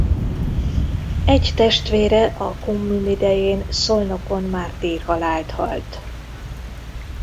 Egy testvére a kommün idején Szolnokon mártírhalált halt.